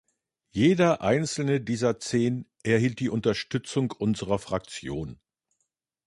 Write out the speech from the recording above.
Jeder einzelne dieser zehn erhielt die Unterstützung unserer Fraktion.